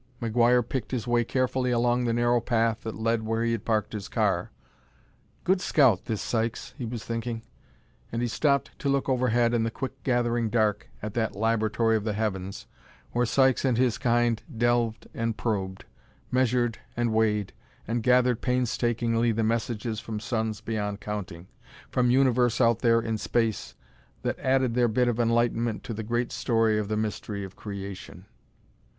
McGuire picked his way carefully along the narrow path that led where he had parked his car. "Good scout, this Sykes!" he was thinking, and he stopped to look overhead in the quick gathering dark at that laboratory of the heavens, where Sykes and his kind delved and probed, measured and weighed, and gathered painstakingly the messages from suns beyond counting, from universe out there in space that added their bit of enlightenment to the great story of the mystery of creation.